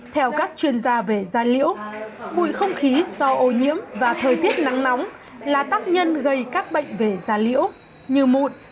theo các chuyên gia về da liễu bụi không khí do ô nhiễm và thời tiết nắng nóng là tác nhân gây các bệnh về da liễu như mụn